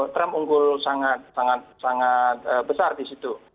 trump unggul sangat sangat besar di situ